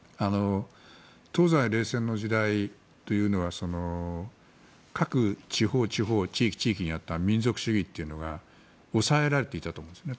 東西冷戦の時代というのは各地方地方、地域地域にあった民族主義というのが抑えられていたと思うんですね。